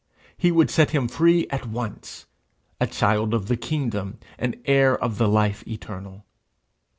He would set him free at once, a child of the kingdom, an heir of the life eternal.